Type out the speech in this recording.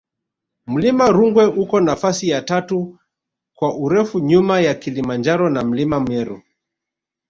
mlima rungwe uko nafasi ya tatu kwa urefu nyuma ya kilimanjaro na mlima meru